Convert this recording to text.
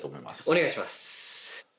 お願いします。